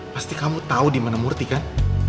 pasti kamu tau dimana murti kan